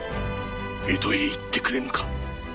江戸へ行ってくれぬか？